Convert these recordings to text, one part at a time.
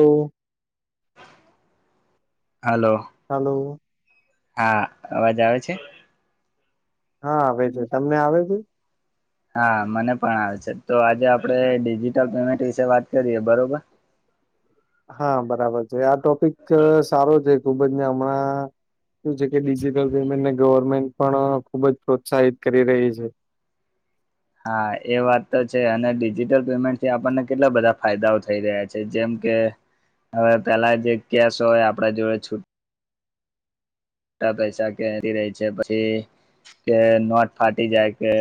તો hello hello હા અવાજ આવે છે? હા આવે છે તમને આવે છે હા મને પણ આવે છે તો આજે આપણે ડિજિટલ પેમેન્ટ વિશે વાત કરીએ બરોબર હા બરાબર છે આ ટોપિક સારો છે ખૂબજ ને હમણાં શું છે કે ડિજિટલ પેમેન્ટને ગવર્મેન્ટ પણ ખુબ જ પ્રોત્સાહિત કરી રહી છે. હા એ વાત તો છે અને ડિજિટલ પેમેન્ટ થી આપણને કેટલા બધા ફાયદાઓ થઈ રહ્યા છે જેમ કે હવે પેલા જે કેસ હોય આપડ જોડે છૂટ પૈસા કે રહી છે પછી કે નોટ ફાટી જાય કે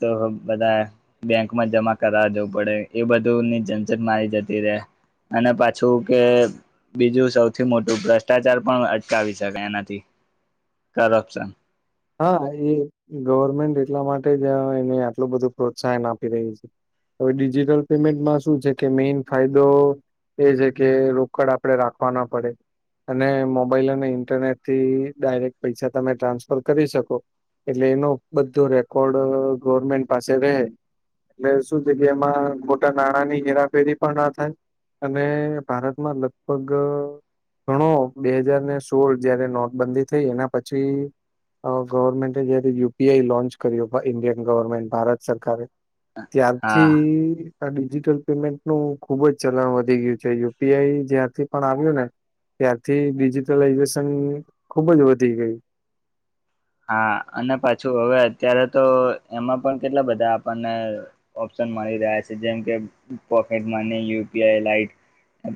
તો બધા બેંકમાં જમા કરાવા જવું પડે એ બધું ની જનઝટ મારી જતી રહેે અને પાછું કે બીજું સૌથી મોટું ભ્રષ્ટાચાર પણ અટકાવી શકાય એનાથી સરસ છે હા એ ગવર્મેન્ટ એટલા માટે જ એને આટલું બધું પ્રોત્સાહન આપી રહ્યું છે. હવે ડિજિટલ પેમેન્ટમાં શું છે કે મેઈન ફાયદો એ છે કે રોકડ આપણેે રાખવા ના પડે અને મોબાઈલ અને ઇન્ટરનેટ થી ડાયરેક્ટ પૈસા તમે ટ્રાન્સ ફર કરી શકો એટલે એનો બધો રેકોર્ડ ગવર્મેન્ટ પાસે રહે. એટલે શું જગ્યા એમાં મોટા નાણાં ની હેરાફેરી પણ ના થાય અને ભારતમાં લગભગ ઘણો બે હાજાર ને સોળ જયારે નોટબંધી થઈ એના પછી ગવર્મેન્ટ જયારે યુપીઆઈ લોન્ચ કર્યું ઈન્ડિયન ગવર્મેન્ટ ભારત સરકારે ત્યારથી હા આ ડિજિટલ પેમેન્ટનું ખુબ જ ચલણ વધી ગયું છે યુપીઆઈ જ્યાંથી પણ આવ્યું ને ત્યારથી ડિજીિટલાઈઝેશન ખુબ જ વધી ગઈ હા અને પાછું હવે અત્યારે તો એમાં પણ કેટલા બધા આપણને ઓપ્શન મળી રહ્યા છે જેમ કે પોકેટ યુપીઆઈ લાઇટ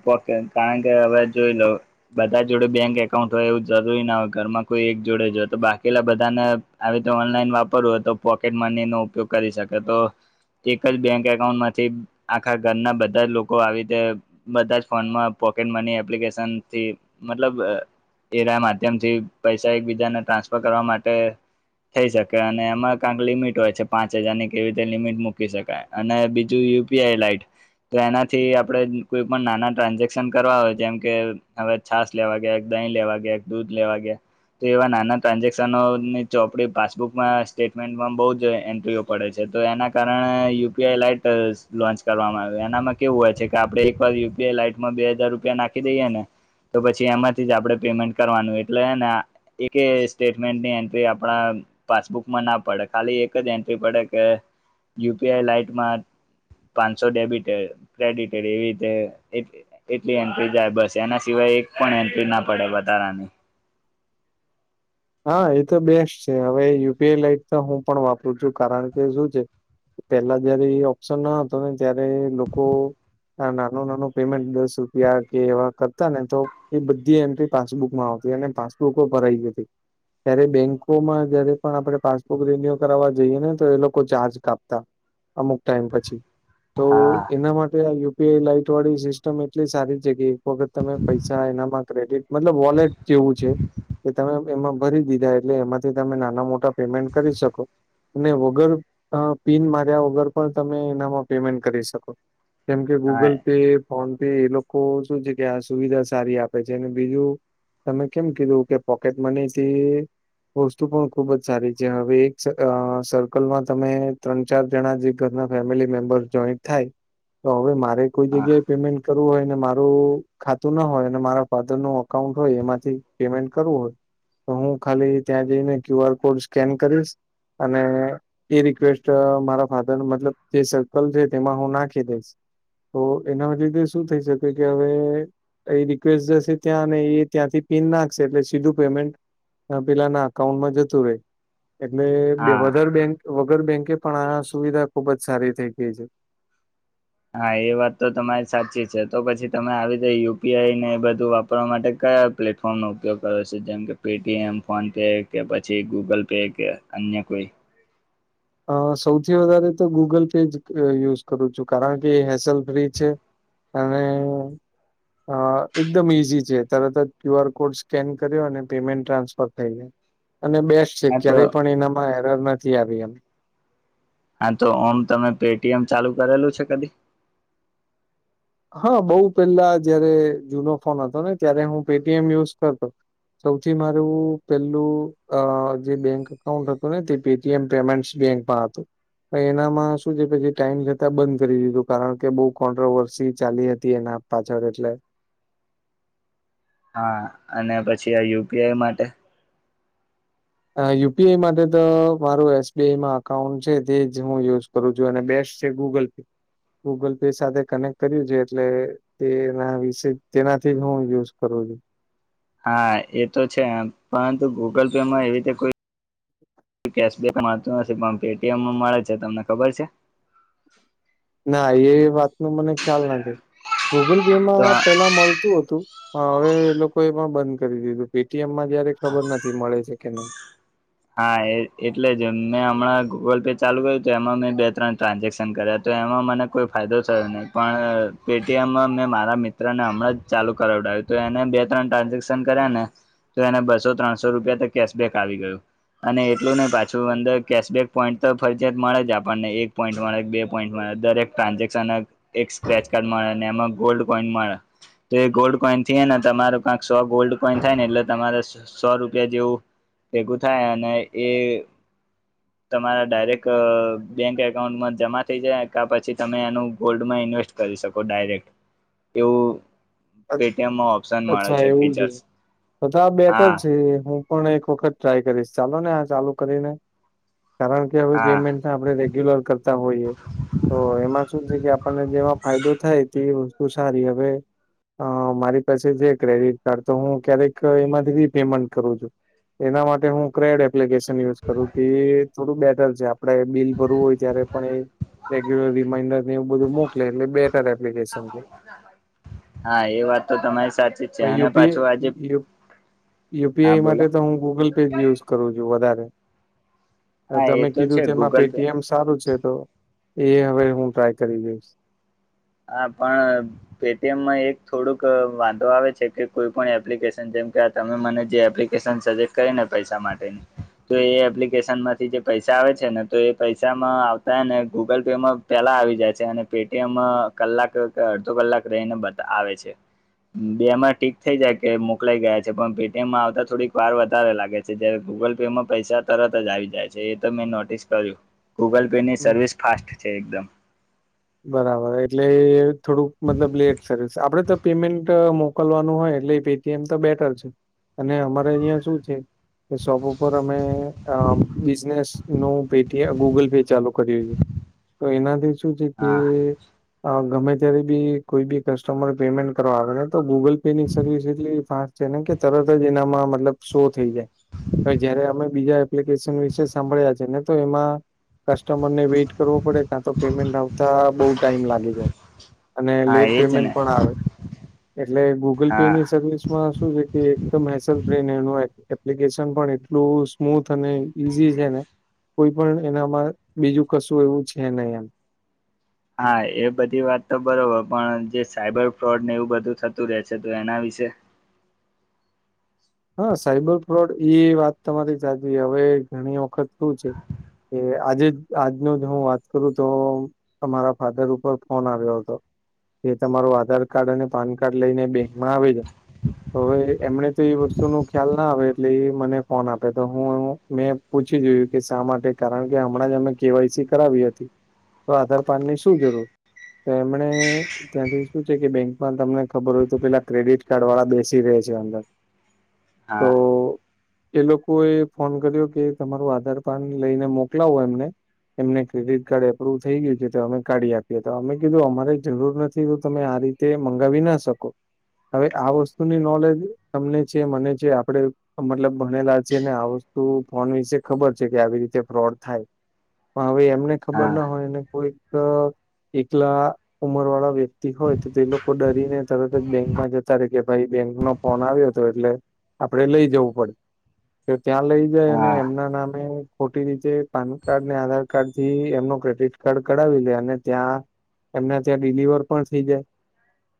પોકે કારણ કે હવે જોઈ લો બધા જોડે બેંક એકાઉન્ટ હોય એવું જરૂરી ના હોય ઘરમાં કોઈ એક જોડે જ તો બાકી પેલા બધાને આવી રીતે ઓનલાઈન વાપરવું હોય તો પોકેટ મની નો ઉપયોગ કરી શકે તો એક જ બેંક એકાઉન્ટ માંથી આખા ઘરના બધા જ લોકો આવી રીતે બધા જ ફોનમાં પોકેટ મની એપ્લિકેશનથી મતલબ એના માધ્યમ થી પૈસા એકબીજાને ટ્રાન્સફર કરવા માટે થઈ શકે અને એમાં ક્યાંક લિમિટ હોય છે પાંચ હજારની કેવી રીતે લિમિટ મૂકી શકાય અને બીજું યુપીઆઈ લાઈટ તો એનાથી આપણે કોઈ પણ નાના ટ્રાન્ઝેક્શન કરવા હોય જેમ કે હવે છાસ લેવા ગયા એક દહીં લેવા ગયા એક દૂધ લેવા ગયા તો એવા નાના ટ્રાન્ઝેક્શનોની ચોપડી પાસબુકમાં સ્ટેટમેન્ટમાં બહુ જ એન્ટ્રીઓ પડે છે તો એના કારણ યુપીઆઈ લાઈટ લોન્ચ કરવામાં આવે એનામાં કેવું હોય છે કે આપડે એક વાર યુપીઆઈ લાાઈટમાં બે હજાર રૂપિયા નાખી દઈએ ને તો પછી એમાંથી જ આપણે પેમેન્ટ કરવાનું એટલેને એકે સ્ટેટમેન્ટની એન્ટ્રી આપણા પાસબુકમાં ના પડે ખાલી એક જ એન્ટ્રી પડે કે યુપીઆઈ લાઈટમાં પાંચસો ડેબિટ ક્રેડિટે એવી રીતે એટલી એન્ટ્રી જાય બસ એના સિવાય એક પણ એન્ટ્રી ના પડે વધારાની હા એ તો બેસ્ટ છે હવે યુપીઆઈ લાઈટ તો હું પણ વાપરું છું કારણ કે શું છે પેલા જયારે એ ઓપ્શન ના હતો ને ત્યારે લોકો નાનું નાનું પેમેન્ટ દસ રૂપિયા કે એવા કરતા ને તો એ બધી એન્ટ્રી પાસબુકમાં આવતી અને પાસબુકો ભરાઈ ગઈ હતી. ત્યારે બેન્કોમાં જયારે પણ આપણે પાસબુક રિન્યુ કરાવા જઈએ ને તો એ લોકો ચાર્જ કાપતા અમુક ટાઈમ પછી તો હા એના માટે આ યુપીઆઈ લાાઈટ વાળી સિસ્ટમ એટલી સારી જગ્યા વખત તમે પૈસા એનામાં ક્રેડિટ મતલબ વોલેટ જેવું છે કે તમે એમાં ભરી દીધા એટલે એમાંથી તમે નાના મોટા પેમેન્ટ કરી શકો અને વગર પિન માર્યા વગર પણ તમે એનામાં પેમેન્ટ કરી શકો કેમ કે ગૂગલ હા પે ફોન પે એ લોકો શું છે કે આ સુવિધા સારી આપે છે અને બીજું તમે કેમ કીધું કે પોકેટ મની થી વસ્તુ પણ ખુબ જ સારી છે હવે એક સર્કલમાં તમે ત્રણ ચાર જણા જે ઘરના ફેમિલી મેમ્બર જોઈન્ટ થાય તો હવે મારે કોઈ જગ્યાએ પેમેન્ટ કરવું હોય ને મારું ખાતું ના હોય અને મારા ફાધર નું અકાઉન્ટ હોય એમાંથી પેમેન્ટ કરવું હોય તો હું ખાલી ત્યાં જઈને ક્યુ આર કોડ સ્કેન કરીશ અને એ રિક્વેસ્ટ મારા ફાધર મતલબ જે સર્કલ છે તેમાં હું નાખી દઈશ તો એના રીતે શું થઈ શકે કે હવે એ રિક્વેસ્ટ જશે ત્યાં ને એ ત્યાંથી પીન નાખશે એટલે સીધું પેમેન્ટ પેલાના અઉન્ટમાં જતું રહે એટલે બે હા વધાર બેંક વગર બેંકે પણ આ સુવિધા ખુબ જ સારી થઈ ગઈ છે હા એ વાત તો તમારી સાચી છે તો પછી તમે આવી રીતે યુપીઆઈ ને એ બધું વાપરવા માટે કયા પ્લેટફોર્મનો ઉપયોગ કરે છે જેમ કે પેટીએમ ફોન પે કે પછી ગૂગલ પે કે અન્ય કોઈ અ સૌથી વધારે તો ગૂગલ પે જ યુઝ કરું છું કારણ કે હેસેલ ફ્રી છે. અને અ એકદમ ઈઝી છે તરત જ ક્યુ આર કોડ સ્કેન કર્યો અને પેમેન્ટ ટ્રાન્સફર થઈ જાય અને બેસ્ટ છે હા તો ક્યારેય પણ એનામાં એરર નથી આવી એમ હા તો ઓમ તમે પેટીએમ ચાલુ કરેલું છે કદી? હા બઉ પેલા જયારે જૂનો ફોન હતો ને ત્યારે હું પેટીએમ યુઝ કરતો સૌથી મારું પેલું જે બેંક અકાઉન્ટ હતું ને તે પે પેમેન્ટ બેંકમાં હતું પ એનામાં શું છે પ જે ટાઈમ થતા બંધ કરી દીધું કારણ કે બઉ કોન્ટ્રોવર્સી ચાલી હતી એના પાછળ એટલે હા અને પછી આ યુપીઆઈ માટે? યુપીઆઈ માટે તો મારું એસબીઆઈમાં અકાઉન્ટ છે તે જ હું યુઝ કરું છું અને બેસ્ટ છે ગૂગલ પે ગૂગલ પે સાથે કનેક્ટ કર્યું છે એટલે તેના વિશે તેનાથી જ હું યુઝ કરું છું હા એ તો છે પરંતુ ગૂગલ પે માં એવી રીતે કોઈ કેશબક મળતું નથી પણ પેટીએમ મળે છે તમને ખબર છે? ના એ વાત ન મને ખ્યાલ નાખ ગૂગલ પે તો માં પેલા મળતું હતું હા હવે એ લોકો એ પણ બંધ કરી દીધું પેટીએમમાં જયારે ખબર નથી મળે છે કે નહી હા એ એટલે જ મેં હમણાં ગૂગલ પે ચાલુ ગયું તો એમાં મેં બે ત્રણ ટ્રાન્ઝેક્શન કર્યા તો એમાં મને કોઈ ફાયદો થયો નહીં પણ પેટીએમ મેં મારા મિત્રને હમણાં જ ચાલુ કરાવડાવ્યું તો એને બે ત્રણ ટ્રાન્ઝેક્શન કર્યા ને તો એને બસો ત્રણસો રૂપિયા કેશબક આવી ગયું અને એટલું નહ પાછું અંદર કેશબેક પોઈન્ટ તો ફરજીયાત મળે જ આપણને એક પોઈન્ટ મળે બે પોઈન્ટ મળે દરેક ટ્રાન્ઝેક્શન એક સ્ક્રેચ કાર્ડ મળ્યા અને એમાં ગોલ્ડ કોઈન મળ્યા તો એ ગોલ્ડ કોઈન થયે ને તમારું કંક સો ગોલ્ડ કોઈન થાય ને એટલે તમારે. સો રૂપિયા જેવું ભેગું થાય એ તમારા ડાયરેક્ટ બેંક એકાઉન્ટમાં જમા થઈ જાય. પછી તમે એનું ગોલ્ડમાં ઇન્વેસ્ટ કરી શકો ડાયરેક્ટ એવું પેટીએમમાં ઓપ્શન મળે અચ્છા એવું છે ફીચર્સ બધા બેટર હા છે હ પણ એક વખત ટ્રાય કરીશ ચાલો ને આ ચાલુ કરીને કારણ કે હવે હા પેમેન્ટ આપડણે રેગ્યુલર કરતા હોઈયએ તો એમાં શું છે કે આપણને જેમાં ફાયદો થાય તે વસ્તુ સારી હવે અ મારી પાસે છે ક્રેડિટ કાર્ડ તો હું ક્યારેક એમાંથી રી પેમેન્ટ કરું છું. એના માટે હું ક્રેડ એપ્લિકેશન યુઝ કરું કે થોડું બેટર છે. આપણે બિલ ભરવું હોય ત્યારે પણ એ. રેગ્યુલર રિમાઈન્ડર ને એવ બધું મોક એટલે બેટર એપ્લિકેશન છે. હા એ વાત તો તમારી સાચી જ છે પણ અને પાછું આજે. યુપીઆઈ યુ હા યુપીઆઈ બોલો માટે તો હું ગૂગલ પે જ યુઝ કરું છું વધારે. હા એ તમે તો છે કીધું તેમાં ગૂગલ પે પેટીએમ સારું છે તો એ હવે હું ટ્રાય કરી જોઈશ. હા પણ. પેટીએમમાં એક થોડુંક વાંધો આવે છે કે કોઈ પણ એપ્લિકેશન જેમ કે તમે મને જે એપ્લિકેશન સજેક્ટ કરીને પૈસા માટેની તો એ એપ્લિકેશન માંથી જે પૈસા આવે છે ને તો એ પૈસામાં આવતા ને ગૂગલ પેમાં પેલા આવી જાય છે અને પેટીએમ કલાક કે અડધો કલાક રહીને બ આવે છે. બેમાં ટીક થઈ જાય કે મોકલાઈ ગયા છે પણ પેટીએમમાં આવતા થોડીક વાર વધારે લાગે છે. જારે ગૂગલ પે માં પૈસા તરત જ આવી જાય છે એ તો મેં નોટિસ કર્યું. ગૂગલ પેની હમ્મ. સર્વિસ ફાસ્ટ છે એકદમ. બરાબર એટલે થોડુંક મતલબ લેટ સર્વિસ આપડે તો પેમેન્ટ મોકલવાનું હોય એટલે કે એમ તો બેટર છે અને અમારે અહિયાં શું છે કે શોપ ઉપર અમે બિઝનેસ નું પ ગૂગલ પે ચાલુ કર્યું છે તો એનાથી શું છે કે હા ગમે ત્યારે બી કોઈ બી કસ્ટમર પેમેન્ટ કરવા આવે ને તો ગૂગલ પે ની સર્વિસ એટલી ફાસ્ટ છે ને કે તરત જ એનામાં મતલબ શો થઈ જાય તો જયારે અમે બીજા એપ્લિકેશન વિશે સાંભળ્યા છે ને તો એમાં કસ્ટમર ને વેઇટ કરવો પડે ક્યાં તો પેમેન્ટ આવ અવતા બહુ ટાઈમ લાગી જાય અને હા લેટ એજ પેમેન્ટ ને પણ આવે. એટલે ગુગલ પે હા ની સર્વિસ માં શું છે કે એકદમ હેલ બ્રેન એનું એપ્લિકેશન પણ એટલું સ્મૂથ અને ઈઝી છે ને કોઈ પણ એનામાં બીજું કશું એવું છે હી એમ હા એ બધી વાત તો બરોબર પણ જે સાયબર ફ્રોડ ને એવું બધું થતું રહે છે તો એના વિશે- હા સાઈબર ફ્રોડ એ વાત તમારી સાચુ હવે ઘણી વખત શું છે કે આજે આજનો જ હું વાત કરું તો અરા ફાધર ઉપર ફોન આવ્યો હતો. એ તમારું આધાર કાર્ડ અને પાન કાર્ડ લઈને બેંકમાં આવે છે તો હવે એમને તો એ વસ્તુ શું નું ખ્યાલ ના આવે એટલે એ મને ફોન આપે તો હું મેં પૂછી જોયું કે શા માટે કારણ કે હમણાં જ અમે કેવાયસી કરાવી હતી તો આધારપન ની શું જરૂર. તેમમણે. ત્યાંથી શું છે કે બેંકમાં તમને ખબર હોય તો પેલા ક્રેડિટ કાર્ડ વાળા બેસી રહે છે અંદર તો હા. એ લોકો એ ફોન કર્યો કે તમારું આધાર કાર્ડ લઈને મોકલાવો એમને. એમને ક્રેડિટ કાર્ડ એપ્રુવ થઈ ગયું છે તો અમે કાઢી આપીએ હતા અમે કીધું અમારે જરૂર નથીું તમે આ રીતે તે મંગાવી ના શકો હવે આ વસ્તુની નોલેજ તમને છે મને જે આપણે મતલબ ભણેલા છે ને આ વસ્તુ ફોન વિશે ખબર છે કે આવી રીતે ફ્રોડ થાય. પણ હવે એમને ખબર હા ના હોય ને કોઈક એકલા ઉંમર વાળા વ્યક્તિ હોય તો તે લોકો ડરીને તરત જ બેંકમાં જતા રે કે ભાઈ બેંક નો ફોન આવ્યો તો એટલે આપડે લઈ જવું પડે તો ત્યાં લઈ જાય અને હા એમના નામે ખોટી રીતે પાન કાર્ડ ને આધાર કાર્ડ થી એમનો ક્રેડિટ કાર્ડ કરાવી લે અને ત્યાં એમને ત્યાં ડડીલિવર પણ થઇ જાય.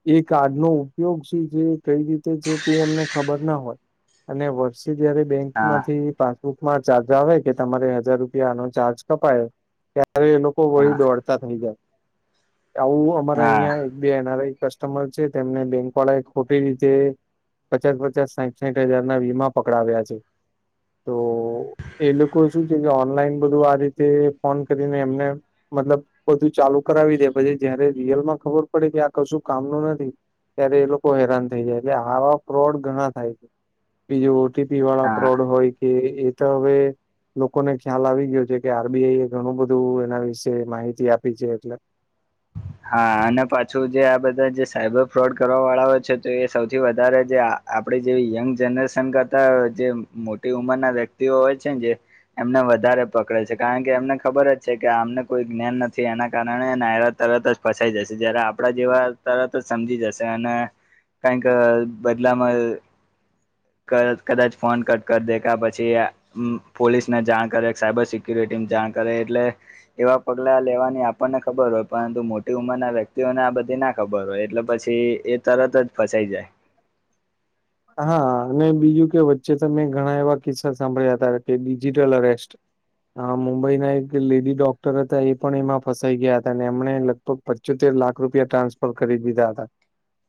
એ કાર્ડનો ઉપયોગ છે જે કઈ રીતે છે તે એમને ખબર ના હોય અને વર્ષ જયારે બેંક હા માંથી પા ચાર્જ આવે કે તમારે હજાર રૂપિયાનો ચાર્જ કપાય ત્યારે એ લોકો વહી હા દોડ થઈ જાય આવું અમારે હા અહિયાં. બે એનઆરઆઈ કસ્ટમર છે તેમને બેંક વાળા ખોટી રીતે. પચાસ પચાસ સાઠ સાઠ હજાર ના વીમા પકડાવ્યા છે. તો એ લોકો શું છે કે ઓનલાઈન બધું આ રીતે ફોન કરીને એમને. મતલબ બધું ચાલુ કરાવી દે પછી જયારે રિયલમાં ખબર પડે કે આ કશું કામનું નથી. ત્યારે એ લોકો હેરાન થઈ જાય એટલે આ ફ્રોડ ઘણા થાય છે બીજ ઓટીપી વાળા હા ફ્રોડ હોય કે એ તો હવે લોકોને ખ્યાલ આવી ગયો છે કે આરબીઆઈ એ ઘણું બધું એના વિશે માહિતી આપી છે એટલે હા અને પાછું જે આ બધા જે સાયબર ફ્રોડ કરવા વાળા હોય છે તો એ સૌથી વધારે જે આપડે જે યંગ જનરેશન કરતા જે મોટી ઉંમર ના વ્યક્તિઓ હોય છે જે એમને વધારે પકડે છે કારણ કે એમને ખબર જ છે કે આમને કોઈ જ્ઞાન નથી એના કારણે નાયરાત તરત જ ફસાઈ જશે જયારે આપડા જેવા તરત જ સમજી જશે અને કારણ કે બદલામાં કદાચ ફોન કટ કર દે કા પછી પોલીસ ને જાણ કરે સાયબર સિક્યુરિટી જાણ કરે એટલે એવા પગલા લેવાની આપણને ખબર હોય. પરંતુ મોટી ઉંમરના વ્યક્તિઓને આ બધી ના ખબર હોય એટલે પછી એ તરત જ ફસાઈ જાય. હા અને બીજું કે વચ્ચે ત મેમે ઘણા એવા કિસ્સા સાંભળ્યા હતા કે ડિજિટલ અરેસ્ટ. હા મુંબઈના એક લેડી ડોક્ટર હતા એ પણ એમાં ફસાઈ ગયા હતા અને એમને પચોતેર લાખ રૂપિયા ટ્રાન્સફર કરી દીધા હતા.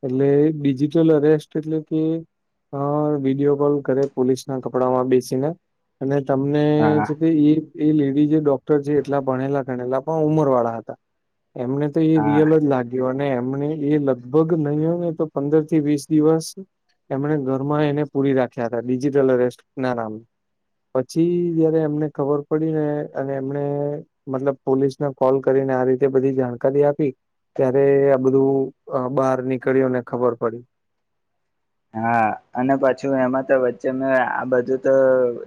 એટલે ડિજિટલ અરેસ્ટ એટલે કે- હ વિડીયો કોલ કરે પોલીસ ના કપડામાં બેસીને અને તમને હા છે કે ઈ એ લેડી જે ડોક્ટર છે એટલા ભણેલા ગણેલા પણ ઉમર વાળા હતા એમને તો એ હા રિયલ જ લાગ્યો અને એમને એ લગભગ નહી હો ને તો પંદર થી વીસ દિવસ એમણે ઘર માં એને પૂરી રાખ્યા હતા ડિજિટલ અસ્ટ ના નામ પછી જયારે એમને ખબર પડી ને અને એમને મતલબ પોલીસને કોલ કરીને આ રીતે બધી જાણકારી આપી ત્યારે આ બધું બહાર નીકળ્યું અનેને ખબર પડી. હા અને પછું એમાં તો વચ્ચે મે આ બધું તો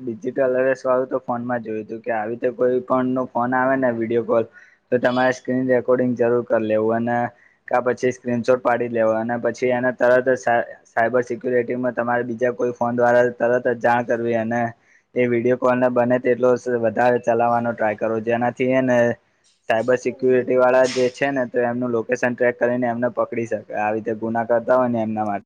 ડિજિટલ હવે સવાળું તો ફોનમાં જોયું હતું કે આવી રીતે કોઈ પણ નો ફોન આવે ને વિડીિયો કોલ તો તમારે સ્ક્રીન રેકોર્ડિંગ જરૂર કરી લેવું અને ક પછી સ્ક્રીનશોટ પાડી લેવ અને પછી એને તરત જ સાયબર સિક્યુરિટીમાં તમારે બીજા કોઈ ફોન દ્વારા તરત જાણ કરવી અને એ વિડીયો કોલ બને તે એટલો વધારે ચલાવવાનો ટ્રાય કરો જેનાથી ને સાયબર સિક્યુરિટી વાળા જે છે ને તો એનું લોકેશન ટ્રેક કરીને એમને પકડી શકાય આવી રીતે ગુના કરતા હોય ને એમના માટે